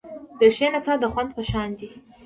د ښې نڅا د خوند په شان دی.